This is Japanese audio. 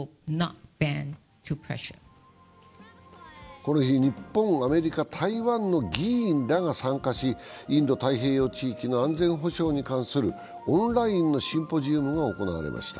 この日、日本、アメリカ、台湾の議員らが参加しインド・太平洋地域の安全保障に関するオンラインのシンポジウムが行われました。